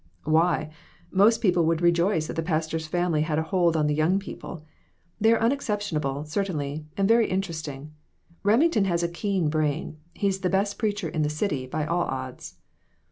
"Why? Most people would rejoice that the pastor's family had a hold on the young people. They are unexceptionable, certainly, and very interesting. Remington has a keen brain. He's the best preacher in the city, by all odds."